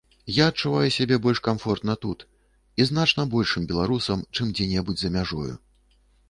Я адчуваю сябе больш камфортна тут, і значна большым беларусам, чым дзе-небудзь за мяжою.